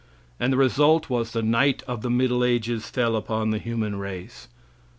And the result was the night of the middle ages fell upon the human race.